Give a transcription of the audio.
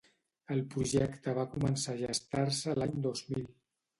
El projecte va començar a gestar-se l’any dos mil.